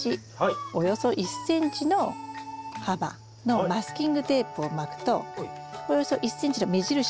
およそ１ｃｍの幅のマスキングテープを巻くとおよそ１ｃｍの目印ができますよね。